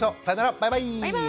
バイバーイ！